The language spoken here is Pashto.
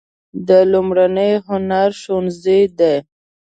دا لومړنی هنري ښوونځی و.